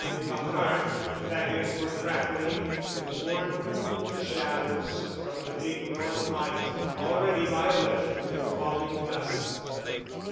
In the hearth fagots were crackling and warmed the cool shadows from the big north light, already violet with the falling dusk.